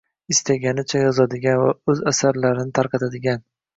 istaganicha yozadigan va o‘z asarlarini tarqatadigan